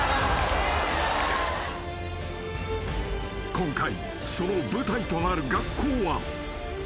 ［今回その舞台となる学校は］